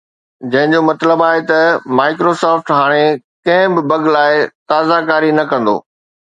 جنهن جو مطلب آهي ته Microsoft هاڻي ڪنهن به بگ لاءِ تازه ڪاري نه ڪندو